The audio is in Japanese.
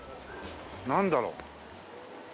なんだろう？